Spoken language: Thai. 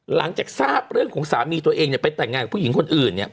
หลังจากทราบเรื่องของสามีตัวเองเนี่ยไปแต่งงานกับผู้หญิงคนอื่นเนี่ย